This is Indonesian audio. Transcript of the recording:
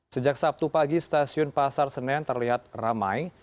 sejak sabtu pagi stasiun pasar senen terlihat ramai